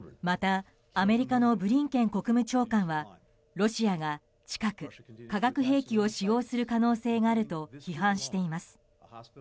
またアメリカのブリンケン国務長官はロシアが近く化学兵器を使用する可能性があると批判しています。